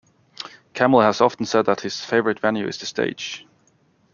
Camil has often said that his favorite venue is the stage.